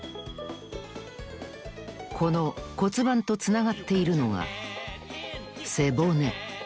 この骨盤とつながっているのが背骨。